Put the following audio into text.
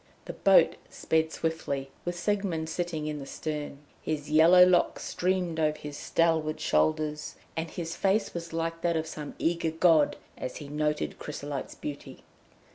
The boat sped swiftly, with Siegmund sitting in the stern. His yellow locks streamed over his stalwart shoulders, and his face was like that of some eager god as he noted Chrysolite's beauty.